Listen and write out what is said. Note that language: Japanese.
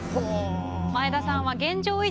前田さんは現状維持。